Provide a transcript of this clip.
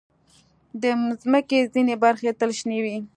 د مځکې ځینې برخې تل شنې وي.